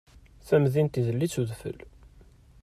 Tamdint idel-itt udfel.